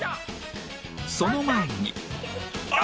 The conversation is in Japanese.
その前に